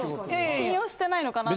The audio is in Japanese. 信用してないのかなと。